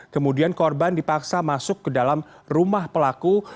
kemudian korban dipaksa masuk ke dalam rumah pelaku